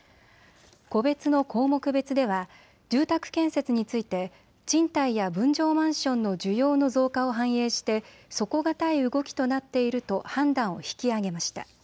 個別の項目別では住宅建設について賃貸や分譲マンションの需要の増加を反映して底堅い動きとなっていると判断を引き上げました。